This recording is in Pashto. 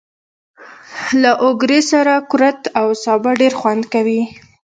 له اوگرې سره کورت او سابه ډېر خوند کوي.